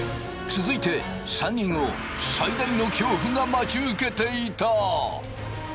続いて３人を最大の恐怖が待ち受けていた。